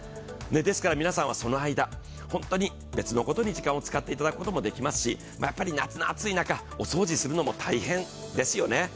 ですから、皆さんはその間、別のことに時間を使っていただくこともできますし夏の暑い時間、お掃除するのも大変ですよね。